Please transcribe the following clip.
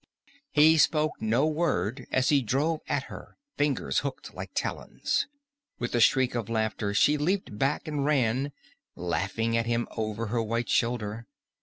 He spoke no word as he drove at her fingers hooked like talons. With a shriek of laughter she leaped back and ran, laughing at him over her white shoulder.